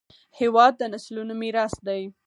هېواد د نسلونو میراث دی.